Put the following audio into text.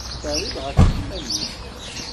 Terrid ɣef yiman-nnek.